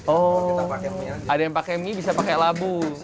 oh ada yang pakai mie bisa pakai labu